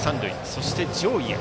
そして、上位へ。